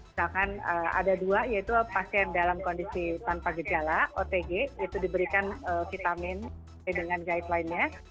misalkan ada dua yaitu pasien dalam kondisi tanpa gejala otg itu diberikan vitamin dengan guideline nya